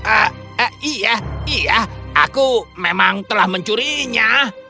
eh iya iya aku memang telah mencurinya